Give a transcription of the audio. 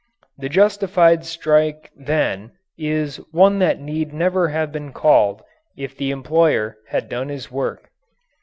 The justified strike, then, is one that need never have been called if the employer had done his work.